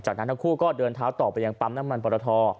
จากนั้นทั้งคู่ก็เดินเท้าต่อไปยังปั๊มน้ำมันปรท